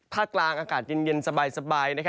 กลางอากาศเย็นสบาย